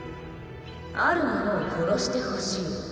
ある者を殺してほしい。